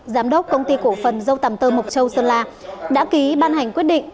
giám đốc công ty cổ phần dâu tầm tơ mộc châu sơn la đã ký ban hành quyết định